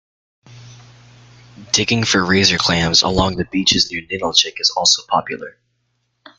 Digging for razor clams along the beaches near Ninilchik is also popular.